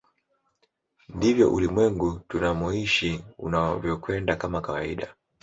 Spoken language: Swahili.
Ndivyo ulimwengu tunamoishi unavyokwenda kama kawaida